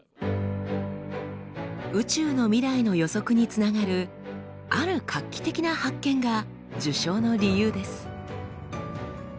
宇宙の未来の予測につながるある画期的な発見が受賞の理由です。